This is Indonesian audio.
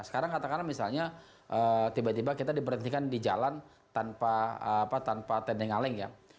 sekarang katakanlah misalnya tiba tiba kita diberhentikan di jalan tanpa tendeng aleng ya